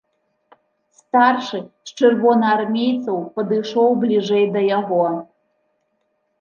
Старшы з чырвонаармейцаў падышоў бліжэй да яго.